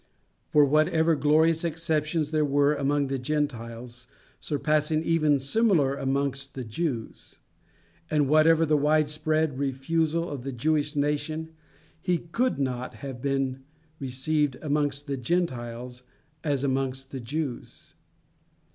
For whatever glorious exceptions there were amongst the Gentiles, surpassing even similar amongst the Jews; and whatever the wide spread refusal of the Jewish nation, he could not have been received amongst the Gentiles as amongst the Jews.